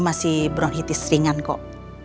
masih bronchitis ringan kok